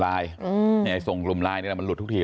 สำหรับในการถ่ายรูปในครั้งนี้เราแค่อยากถ่ายรูป